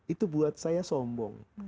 itu membuat saya sombong